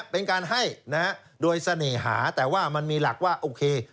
เป็นการให้โดยเสน่หาแต่ว่ามันมีหลักว่าโอเค